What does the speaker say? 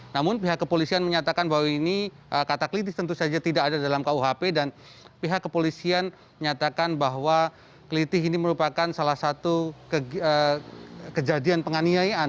namun pihak kepolisian menyatakan bahwa ini kata klitis tentu saja tidak ada dalam kuhp dan pihak kepolisian menyatakan bahwa kliti ini merupakan salah satu kejadian penganiayaan